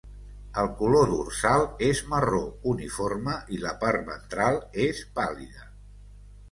El color dorsal és marró uniforme i la part ventral és pàl·lida.